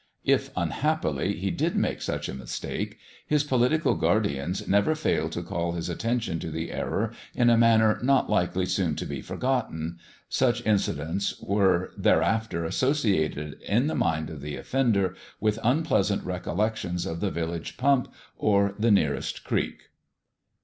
If unhappily he did make such a mistake, his political guardians never failed to call his attention to the error in a manner not likely soon to be forgotten—such incidents were thereafter associated in the mind of the offender with unpleasant recollections of the village pump or the nearest creek.